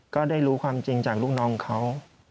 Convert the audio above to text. ก็ได้รู้ความจริงจากลูกน้องเขา